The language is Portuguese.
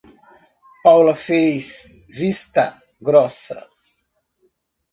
Paula fez vista grossa.